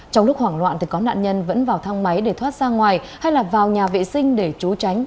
trong lúc hoảng loạn thì có nạn nhân vẫn vào thang máy để thoát ra ngoài hay là vào nhà vệ sinh để trú tránh